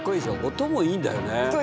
音もいいんだよね。